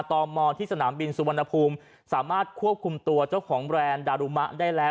ตมที่สนามบินสุวรรณภูมิสามารถควบคุมตัวเจ้าของแบรนด์ดารุมะได้แล้ว